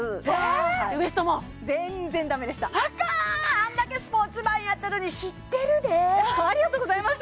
あんだけスポーツマンやったのに知ってるでありがとうございます